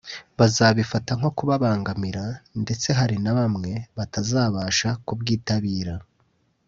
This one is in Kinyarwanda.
bazabifata nko kubabangamira ndetse hari na bamwe batazabasha kubwitabira